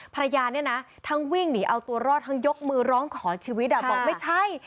ภรรยาเนี่ยนะทั้งวิ่งหนีเอาตัวรอดทั้งยกมือร้องขอชีวิตบอกไม่ใช่